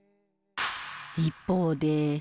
一方で。